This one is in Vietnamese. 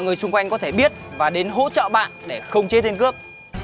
người xung quanh có thể biết và đến hỗ trợ bạn để không chế tên cướp